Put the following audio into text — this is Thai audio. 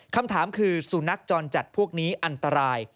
คำถามคือสุนัขจรจัดพวกนี้อันตราย